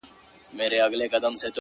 داده پيغام ليوني بيا اوبو ته اور اچوي.!